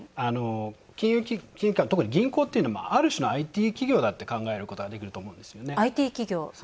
金融機関、特に銀行っていうのはある種のＩＴ企業だって考えることができると思うんですよね。